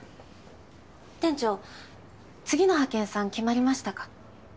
店長次の派遣さん決まりましたか？